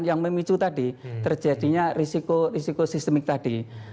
yang memicu tadi terjadinya risiko risiko sistemik tadi